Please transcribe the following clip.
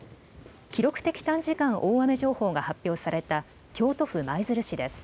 記録的短時間大雨情報が発表された京都府舞鶴市です。